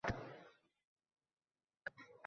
Shu soʻzlar bir kuni etishar halok.